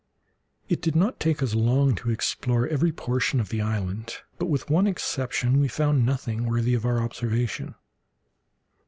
It did not take us long to explore every portion of the island, but, with one exception, we found nothing worthy of our observation.